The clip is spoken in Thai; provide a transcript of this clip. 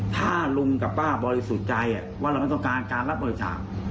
ถ้าลุงกับป้าบริสุทธิ์ใจว่าเราไม่ต้องการการรับบริจาค